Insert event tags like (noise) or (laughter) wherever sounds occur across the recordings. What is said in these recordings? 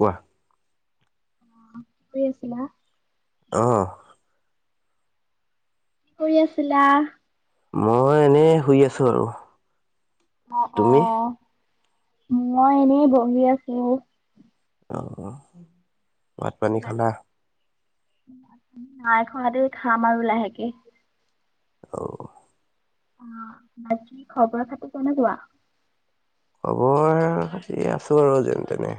কোৱা। (unintelligible) অ'। কি কৰি আছিলা? মই এনেই শুই আছো আৰু। অ', তুমি অ', মই এনেই বহি আছোঁ। (unintelligible) ভাত পানী খালা? নাই খোৱা হাতে খাম আৰু লাহেকে। অ'। অ', আপোনাৰ কি খবৰ খাটি কেনেকুৱা? খবৰ আছো আৰু যেনতেনে,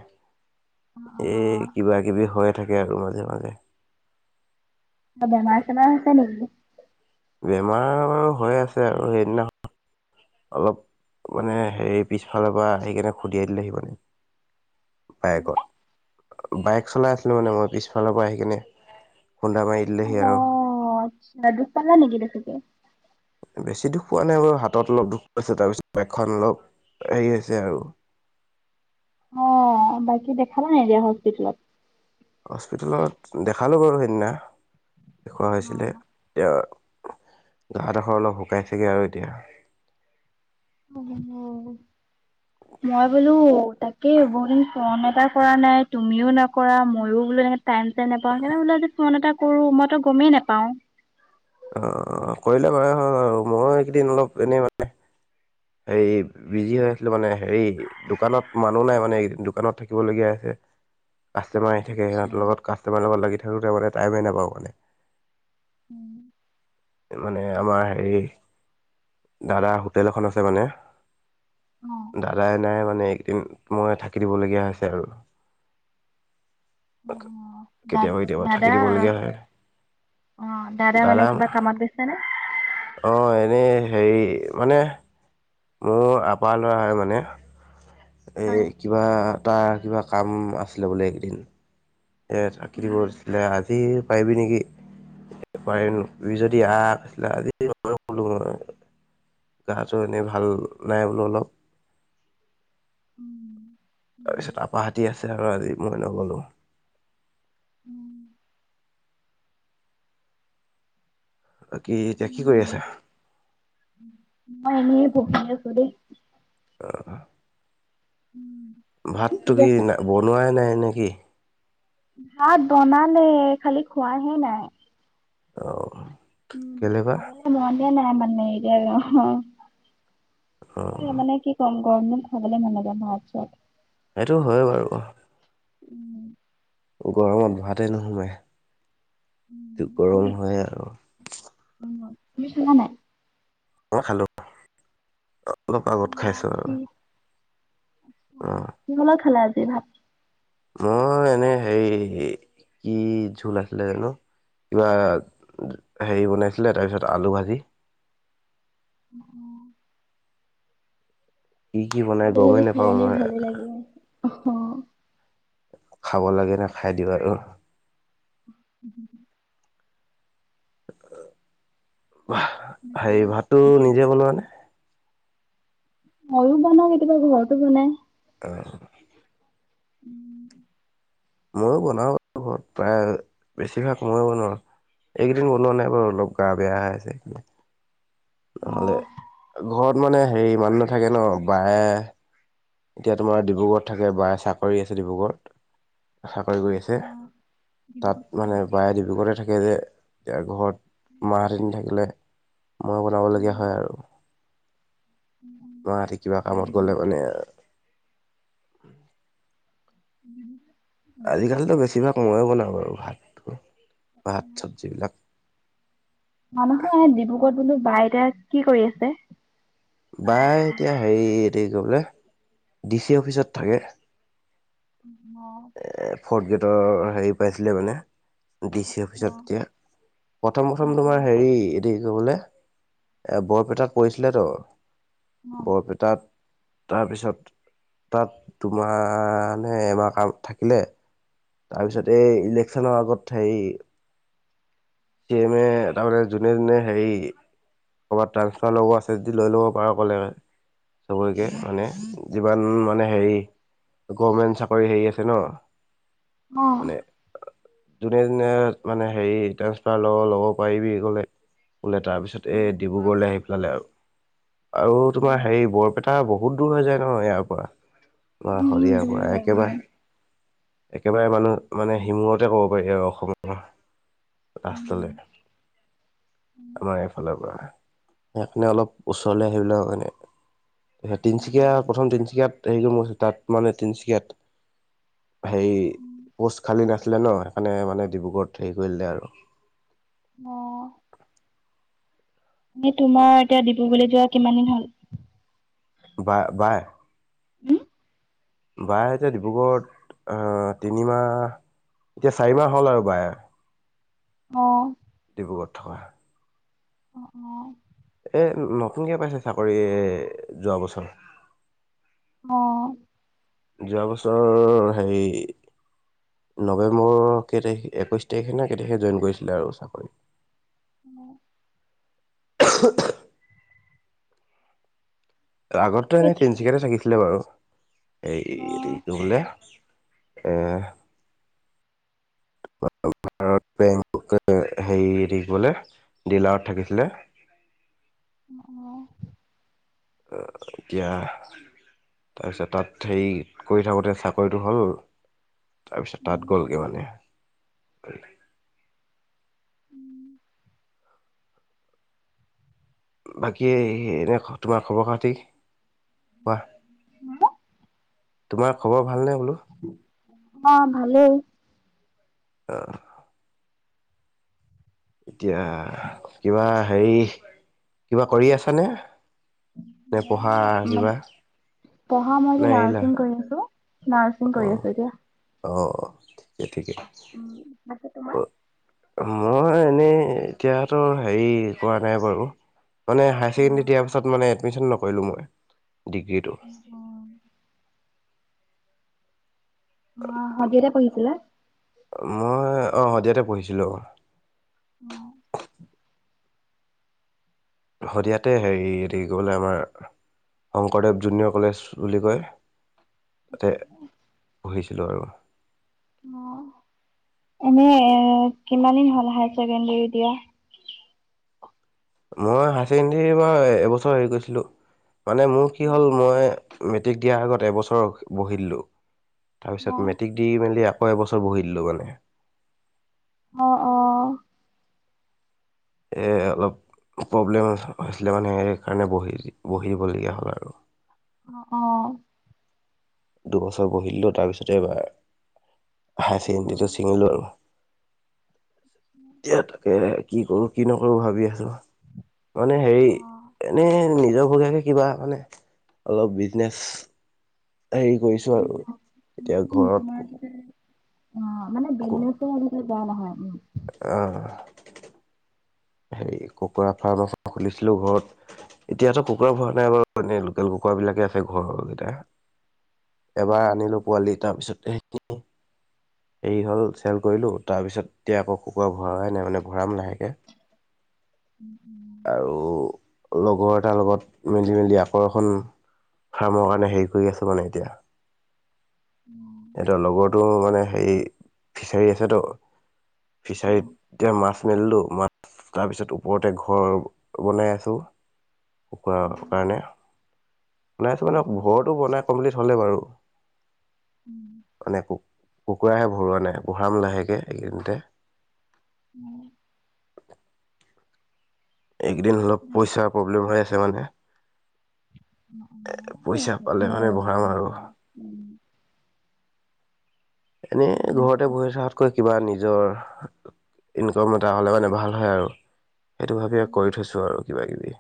এই কিবা কিবি হয় থাকে আৰু মাজে মাজে। বেমাৰ চেমাৰ হৈছে নেকি? বেমাৰ বাৰু হৈ আছে আৰু সেইদিনাখন অলপ মানে হেৰি পিছফালৰ পৰা আহি কিনে খুন্দিয়াই দিলেহি মানে। বাইকত। বাইক চলাই আছিলো মানে মই পিছফালৰ পৰা আহি কিনে খুন্দা মাৰি দিলেহি আৰু। অ', আচ্ছা দুখ পালা নেকি বেছিকে? বেছি দুখ পোৱা নাই বাৰু হাতত অলপ দুখ পাইছে তাৰপিছত বাইক খন অলপ হেৰি হৈছে আৰু। অ', বাকি দেখালা নাই দিয়া হস্পিতেলত? হস্পিটেলত দেখালোঁ বাৰু সেইদিনা দেখুওৱা হৈছিলে এতিয়া ঘাঁ ডোখৰ অলপ শুকাইছেগে আৰু এতিয়া। (unintelligible) অ' মই বোলো তাকে বহু দিন কৰা নাই কৰা নাই তুমিও নক ময়ো বোলো এনেকে টাইম চাইম নাপাওঁ সেইকাৰণে বোলো আজি ফোন এটা কৰো মই গম মেই নেপাওঁ। অ', কৰিলা ভালে হ'ল বাৰু, মই এইকেইদিন অলপ এনেই মানে হেৰি বিজি হৈ আছিলোঁ মানে হেৰি দোকানত মানুহ নাই মানে এইকেইদিন দোকানত থাকিবলগীয়া হৈছে। (inaudible) কাষ্টমাৰ আহি থাকে আচ্ছা। সিহঁত লগত কাষ্টমাৰৰ লগত লাগি থাকোঁতোৰ মমানে টাইমেই নাপাওঁ মানে। (unintelligible) মানে আমাৰ হেৰি দাদাৰ হোটেল এখন আছে মানে। অ দাদা এ নাই মান মই থাকি দিবলগীয়া লগিয়া হৈছে আৰু। অ অ দা কেতিয়াবা কেতিয়াবা দাদা থাকি দিবলগীয়া হয়। অ দাদা মানে কিবা কামত গৈছা নে? অঁ এনেই হেৰি মানে মোৰ আপাৰ ল'ৰাই মানে, হয়। এই কিবা তাৰ কিবা কাম আছিলে বোলে এইকেইদিন এ থাকি দিব উম, (unintelligible) আজি পাৰিবি নেকি? (unintelligible) গাটো এনেই ভাল নাই বোলো অলপ। উম, তাৰ উম, পিছত আপাহতি আছে আৰু আজি মই নগলো। উম, বাকী এতিয়া কি কৰি উম। আছা? মই এনেই বহি আছোঁ দেই। (inaudible) উম, তুমি ভাতটো কৰি কি আছা? বনোৱাই নাই নেকি? ভাত বনালে, খালি খোৱাহে নাই। অ। উম কেলে বা অ (unintelligible) মানে কি কম গৰম দিন খাবলে মন নাযায় ভাত-চাত। সেইটো হয় বাৰু। (inaudible) গৰমত ভাতে নোসোমায়। উম, যিটো গৰম কি হয় আৰু। অ, তুমি খালা নাই? মই খালো, অলপ আগত অ, খাইছো কি আৰু। অ কিহৰ লগত খালা আজি ভাত? মই এনে হেৰি কি ঝোল আছিলে জানো। কিবা হেৰি বনাইছিলে তাৰপিছত আলু ভাজি। (unintelligible) কি কি বনাই আলু ভাজি গমেই খাই নোপাও এনেই ময়। ভালে লাগে। অ'। খাব লাগে নে খাই দিওঁ আৰু। (inaudible) বাকী হেৰি ভাতটো এতিয়া নিজে বনোৱা নে? মইো বনাওঁ কেতিয়াবা ঘৰতো বনাই। অ। (inaudible) ময়ো বনাওঁ, ঘৰত প্ৰায় বেছিভাগ ময়ো বনাও। এইকদিন বনোৱা নাই বাৰু অলপ গা বেয়া আছে। নহ'লে অ', ঘৰত মানে হেৰি মানু্হ নাথাকে ন বায়ে এতিয়া তোমাৰ ডিব্ৰুগড়ত থাকে বায়ে চাকৰি আছে ডিব্ৰুগড়ত। চাকৰি কৰি আছে, ডিব্ৰুগড়ত কি তাত কৰে? মানে বায়ে ডিব্ৰুগড়তে থাকে যে, তেওঁ ঘৰত মাহহতি নেথাকিলে মই বনাব লগীয়া হয় আৰু। মাহতি কিবা কৰে কামত গ'লে ডিব্ৰুগড় মানে (inaudible) আজিকালিতো বেছিভাগ মইয়ে বনাওঁ বাৰু ভাতটো ভাত, চব্জিবিলাক। (unintelligible) ডিব্ৰুগড় বোলো বা এতিয়া কি কৰি আছে? বাই এতিয়া হেৰি এইটো কি কয় বোলে ডি চি অফিচত থাকে। আহ ফ'ৰ্থ গ্ৰেডৰ হেৰি পাইছিলে মানে ডি চি অফিচত কে প্ৰথম প্ৰথম তোমাৰ হেৰি এ কি ক'বলে এ বৰপেটাত পৰিছিলেতো বৰপেটাত তাৰপিছত তাত দুমাহ নে এমাহ কাম থাকিলে। তাৰপিছত এই ইলেকচনৰ আগত হেৰি (unintelligible) তাৰ মানে যোনে যোনে হেৰি ক'ৰবাত ট্ৰানসফাৰ ল'ব আছে যদি লৈ ল'ব পাৰ ক'লে সবকে মানে যিমান মানে হেৰি গভমেণ্ট চাকৰি হেৰি আছে ন। অ'। মানে যোনে যোনে মানে হেৰি ড্ৰানসফাৰ লব ল'ব পাৰিবি গলে। বোলে তাৰপিছত এই উম, ডিব্ৰুগড়লৈ আহি পেলালে আৰু, আৰু তোমাৰ হেৰি বৰপেটা ব বহুত দূৰ হৈ যায় ন ইয়াৰ পৰা উম, সদয়াৰ দূৰ পৰা হয় একেবাৰে একেবাৰে মানুহ মানে সিমূৰতে ক'ব পাৰি আৰু অসমৰ পৰা। উম। ৰাস্তালে আমাৰ এইফালৰ পৰা। সেইকাৰণে অলপ ওচৰলে আহিবলে (unintelligible) তিনিচুকীয়া প্ৰথম তিনচুকীয়াত (unintelligible) তাত মানে তিনিচুকীয়াত হেৰি পোষ্ট খালী নাখ আছিলে ন সেইকাৰণে মানে ডিব্ৰুগড়ত হেৰি কৰিলে আৰু এ তোমাৰ এতিয়া ডিব্ৰুগড়ি যোৱা কিমান দিন হল? বা বাই উম? বাইতে ডিব্ৰুগড়ত তিনিমাহ এতিয়া চাৰি মাহ হ'ল আৰু বাই। অ'। দূৰত থকা অ', অ'। এ নতুনকে পাইছে চাকৰি যোৱা বছৰ। অ'। যোৱা বছৰ হেৰি নৱেম্বৰ কেই তাৰিখ একৈছ তাৰিখে নে কেই তাৰিখেই জইন কৰিছিলে আৰু চাকৰি। অ'। (inaudible) আগতো অ এনে তিনিচিকাতে থাকিছিলে বাৰু। এ অ এইটো বোলে (inaudible) বেংক হেৰি থাকিবলে ডিলাৰত থাকিছিলে। আহ। এ এতিয়া তাৰপিছত তাত হেৰি কৰি থাকোঁতে চাকৰিটো হ'ল তাৰ পিছত তাত গ'লগে মানে। বাকী এনে তোমাৰ খবৰ খাতি কোৱা তোমাৰ খবৰ ভালনে বোলো? অ' ভালেই। আহ। এতিয়া কিবা হেৰি কিবা কৰি আছানে? নে পঢ়া কিবা মই পঢ়া মই নে এতিয়া এৰিলা? নাৰছিং কৰি আছো। নাৰসিং কৰি আছো এতিয়া। ঠিকেই ঠিকেই উম বাকী তোমাৰ অ'। মই এনেই এতিয়াতো হেৰি কৰোৱা নাই বাৰু। মানে হায়াৰ অ ছেকেণ্ডেৰী দিয়াৰ পাছত মানে এডমিশ্যন নকৰিলো মই। ডিগ্ৰীটো। অ অ', (unintelligible) পহিছিলে। মই অ', শদিয়াতেই পঢ়িছিলোঁ অহ। উম। শদিয়াতেই হেৰি, এইটো কি বুলি কয় আমাৰ শংকৰদেৱ জুনিয়ৰ কলেজ বুলি কয়। তাতেই পঢ়িছিলোঁ আৰু। অ', এনেই কিমান দিন হ'ল হায় ছেকেণ্ডাৰী দিয়া? মই হায় ছেকেণ্ডৰী এইবাৰ এবছৰ হেৰি কৰিছিলোঁ, মানে মোৰ কি হ'ল মই মেট্ৰিক দিয়াৰ আগত এবছৰ বহি দিলোঁ, অ তাৰপিছত মেট্ৰিক দি মেলি আকৌ এবছৰ বহি দিলো মানে। অহ, অ'। এই অলপ প্ৰব্লেম হৈছিলে মানে, সেইকাৰণে বহি, বহিব লগীয়া হ'ল আৰু। অহ। দুবছৰ বহি দিলোঁ, তাৰপিছতেই এইবাৰ হায়াৰ ছেকেণ্ডৰীটো ছিঙিলো আৰু। এতিয়া তাকেহ কি কৰো? কি নকৰো? ভাবি আছোঁ। মানে হেৰি, এনেই নিজৰ বগীয়াকে কিবা মানে অলপ বিজনেচ হেৰি কৰিছো আৰু, এতিয়া তোমাৰ ঘৰত অ', মানে বিনুতে আজিকালি বোৱা নহয়, উম। অহ। হেৰি কুকুৰা ফাৰ্ম এখন খুলিছিলোঁ ঘৰত, এতিয়াতো কুকুৰা ভৰোৱা নাই বাৰু, এনেই লোকেল কুকুৰা বিলাকেই আছে ঘৰকেইটাই, এবাৰ আনিলোঁ পোৱালি, তাৰপিছত ত (unintelligible) হেৰি হ'ল চেল কৰিলোঁ, তাৰপিছত এতিয়া আকৌ কুকুৰা ভৰোৱাই নাই, মানে ভৰাম লাহেকৈ। উম। লগৰ এটাৰ লগত মিলি মেলি, আকৌ এখন ফাৰ্মৰ কাৰণে হেৰি কৰি আছো মানে এতিয়া। এহঁতৰ লগৰটো মানে হেৰি, ফিচাৰী আছে তো। ফিছাৰীত দিয়া মাছ স্মে (unintelligible) লোঁ মাছ তাৰপিছত ওপৰতেই ঘৰ বনাই আছোঁ। কুকুুৰাৰ কাৰণে, বনাই আছোঁ মানে, আৰু ঘৰতো বনাই কমপ্লিট হ'লে বাৰু। মানে ক কুকুৰাহে ভৰোৱা নাই, ভৰাম লাহেকে এইগিদিনতে। উম। এইকেইদিন অলপ পইচাৰ প্ৰব্লেম হৈ আছে মানে। এ পইচা পালে মানে ভৰাম আৰু। মানুহৰ এনে ঘৰতে বহি থকাতকৈ কিবা নিজৰ ইনকাম এটা হ'লে মানে, ভাল হয় আৰু। সেইটো ভাবিয়েই কৰি থৈছোঁ আৰু কিবা কিবি।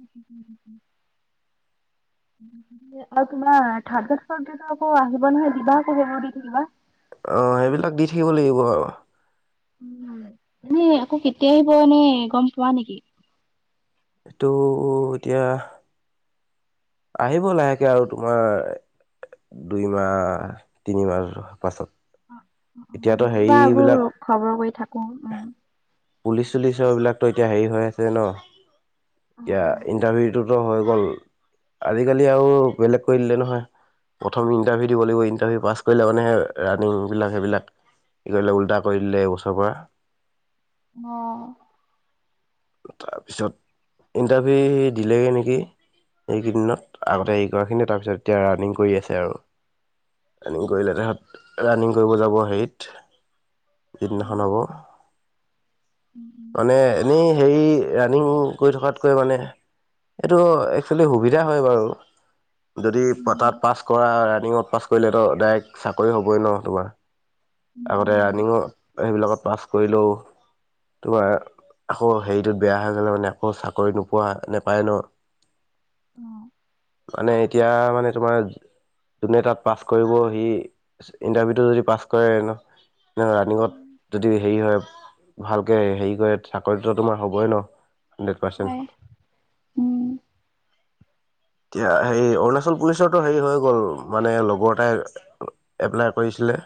উম। আৰু তোমাৰ থা (unintelligible) গিতা আকৌ আহিব নহয়, দিবা আকৌ, সেইবোৰ দি থাকিবা। অহ, সেইবিলাক দি থাকিব লাগিব আৰু। এনেই আকৌ কেতিয়া আহিব, এনেই গম পোৱা নেকি? এইটো এতিয়া আহিব লাহেকে আৰু তোমাৰ দুইমাহ তিনিমাহৰ পাছত। এতিয়াতো ময়ো বাৰু হেৰিবিলাক এইবোৰ খবৰ কৰি থাকো, উম। পুলিচ চুলিচৰ বিলাকতো এতিয়া হেৰি হৈ আছে ন? এতিয়া অ'। ইন্টাৰভিউটোত হৈ গ'ল, আজিকালি আৰু বেলেগ কৰি দিলে নহয়। প্ৰথম ইণ্টাৰভিউ দিব লাগিব, ইণ্টাৰভিউ পাছ কৰিলে মানেহে ৰানিং বিলাক সেইবিলাক কি কৰিলে উল্টা কৰি দিলে এইবছৰৰ পৰা। অ'। তাৰপিছত, ইণ্টাৰভিউ দিলেগৈ নেকি। এইকেইদিনত আগতে হ কৰাখিনি তাৰপিছত এতিয়া ৰানিং কৰি আছে আৰু। ৰানিং কৰিলে, তাৰপিছত ৰানিং কৰিব যাব হেৰিত। যদিনাখন হব, মানে এনেই সেই ৰাণিং কৰি থকাতকৈ মানে এইটো এইফালে সুবিধা হয় বাৰু। যদি তাত পাছ কৰা ৰানিংত পাছ কৰিলে তো ডাইৰেক্ট চাকৰি হ'বই ন তোমাৰ। উম আগতে উম ৰানিঙত সেইবিলাকত পাছ কৰিলেওঁ, তোমাৰ আকৌ হেৰিটোত বেয়া হৈ গ'লে মানে আকৌ চাকৰি নোপোৱা নাপায় ন। অ'। মানে এতিয়া মানে তোমাৰ যোনে তাত পাছ কৰিব সি ইণ্টাৰভিউটো যদি পাছ কৰে ন ৰানিঙত যদি হেৰি হয়, ভালকে হেৰি কৰে চাকৰিটোতো তোমাৰ হ'বই ন। হাণ্ড্ৰেড হয়। পাৰ্চেণ্ট। উম এতিয়া হেই অৰুণাচল পুলিচৰটো হেৰি হৈ গ'ল মানে লগৰ এটাই এপ্লাই কৰিছিল। লে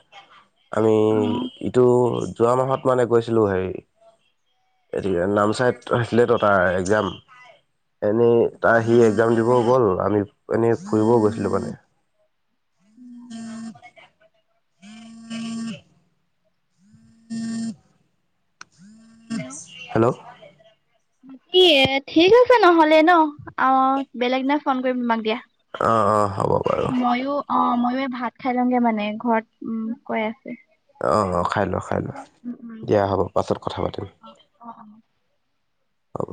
আমি অ' ইটো যোৱামাহত মানে গৈছিলোঁ হেৰি এতিয়া নামচাইত আছিলেতো তাৰ এক্জাম। এনেই তাই সি এক্জাম দিব ব'ল আমি এনেই ফুৰিবও গৈছিলোঁ মানে। (unintelligible) (inaudible) হেল্ল'। হেল্ল'। কি য়ে ঠিক আছে নহলে ন অ', বেলেগ দিনা ফোন কৰিম তোমাক দিয়া। অ', অ', হ'ব বাৰু অ', ময়ো অ', ময়ো এই ভাত খাই লওঁগে মানে ঘৰত উম, কয় আছে। অ', অ', খাই লোৱা খাই লোৱা উম উম দিয়া উম। হ'ব পাছত কথা পাতিম। অ অ অ। হ'ব।